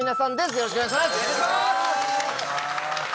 よろしくお願いします！